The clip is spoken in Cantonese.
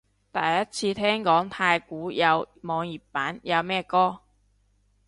第一次聽講太鼓有網頁版，有咩歌？